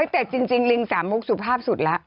แต่จริงลิงสามมุกสุภาพสุดแล้ว